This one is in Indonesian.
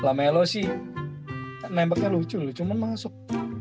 nebaknya lucu loh cuman masuk